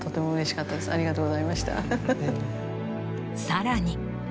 さらに。